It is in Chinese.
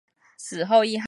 死后谥号恭公。